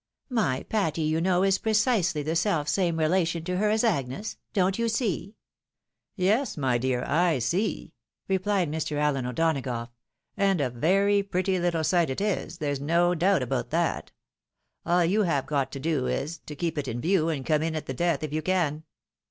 My Patty, you know, is precisely the self same relation to her as Agnes. Don't you see ?"" Yes, my dear, I see," replied Mr. Allen O'Donagough ;" and a very pretty Httle sight it is, there's no doubt about that. All you have got to do is, to keep it in view, and come in at the death if you can."